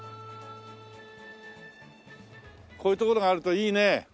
こういう所があるといいね。